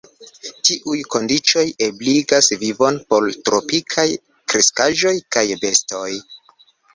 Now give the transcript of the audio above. Tiuj kondiĉoj ebligas vivon por tropikaj kreskaĵoj kaj bestoj.